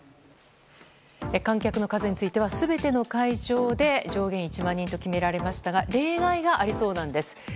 観客の数については全ての会場で上限１万人と決められましたが例外がありそうなんです。